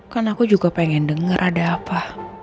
kan aku juga pengen denger ada apa